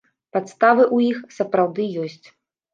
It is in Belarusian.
Падставы ў іх, сапраўды, ёсць.